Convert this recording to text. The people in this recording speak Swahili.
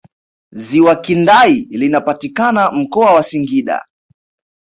ziwa kindai linapatikana mkoa wa singida